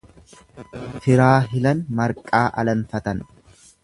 Firaa hilan marqaa alanfatan.